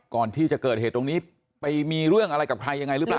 ก่อนที่จะเกิดเหตุตรงนี้ไปมีเรื่องอะไรกับใครยังไงหรือเปล่า